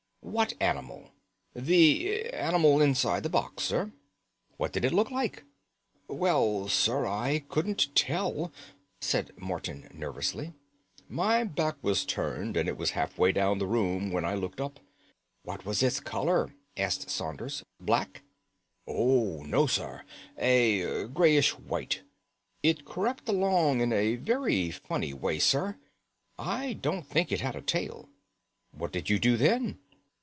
"What animal?" "The animal inside the box, sir." "What did it look like?" "Well, sir, I couldn't tell you," said Morton nervously; "my back was turned, and it was halfway down the room when I looked up." "What was its color?" asked Saunders; "black?" "Oh, no, sir, a grayish white. It crept along in a very funny way, sir. I don't think it had a tail." "What did you do then?"